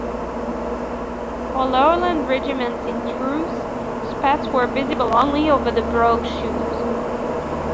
For Lowland regiments in trews, spats were visible only over the brogue shoes.